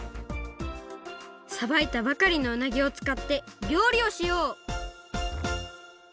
さばいたばかりのうなぎをつかってりょうりをしよう！